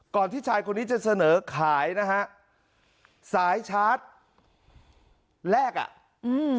ก่อนที่ชายคนนี้จะเสนอขายนะฮะสายชาร์จแลกอะ